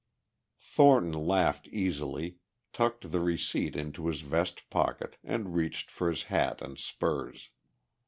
Thornton laughed easily, tucked the receipt into his vest pocket, and reached for his hat and spurs.